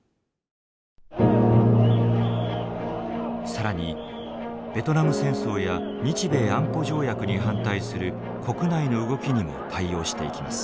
更にベトナム戦争や日米安保条約に反対する国内の動きにも対応していきます。